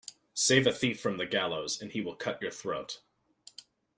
Save a thief from the gallows and he will cut your throat.